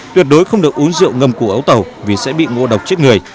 tuyệt đối không được uống rượu ngâm củ ấu tàu vì sẽ bị ngộ độc chết người